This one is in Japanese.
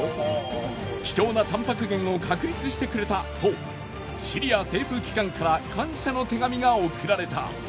貴重なタンパク源を確立してくれた！とシリア政府機関から感謝の手紙が贈られた。